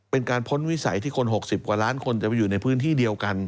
เป็นการพ้นวิสัยที่คน๖๐กว่าล้านคนจะไปอยู่ในพื้นที่เดียวกัน